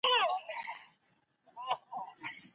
دا آسماني تیږه به د شپې په وخت کې ډېره روښانه وي.